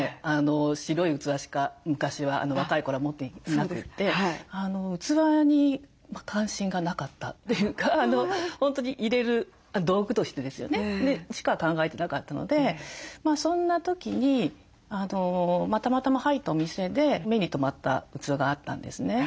白い器しか昔は若い頃は持っていなくて器に関心がなかったというか本当に入れる道具としてですよねでしか考えてなかったのでそんな時にたまたま入ったお店で目に留まった器があったんですね。